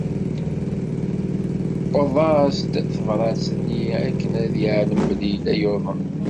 Tewweḍ-as-d tebrat-nni akken ad yeεlem belli yella yuḍen.